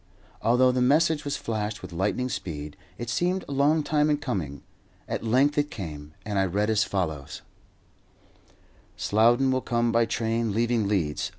Although the message was flashed with lightning speed, it seemed a long time in coming. At length it came, and I read as follows: "_Slowden will come by train leaving Leeds 11.